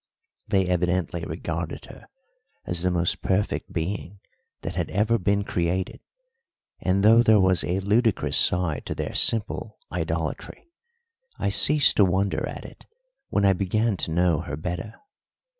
They evidently regarded her as the most perfect being that had ever been created; and, though there was a ludicrous side to their simple idolatry, I ceased to wonder at it when I began to know her better.